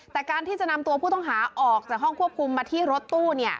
แต่การที่จะนำตัวผู้ต้องหาออกจากห้องควบคุมมาที่รถตู้